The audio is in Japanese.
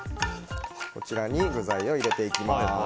こちらに具材を入れていきます。